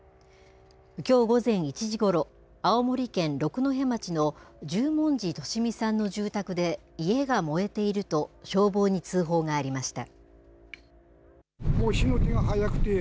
きょう午前１時ごろ青森県六戸町の十文字利美さんの住宅で家が燃えていると消防に通報がありました。